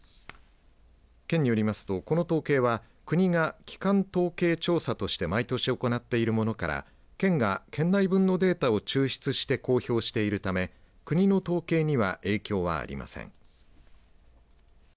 県によりますと、この統計は国が基幹統計調査として毎年行っているものから県が県内分のデータを抽出して公表しているため国の統計には影響はありません。